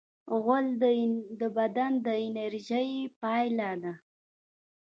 غول د بدن د انرژۍ پایله ده.